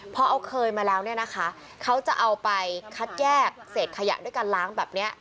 พอเอาเคยมาแล้วเนี่ยนะคะเขาจะเอาไปคัดแยกเศษขยะด้วยการล้างแบบนี้